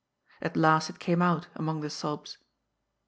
At last it came out, among the sobs.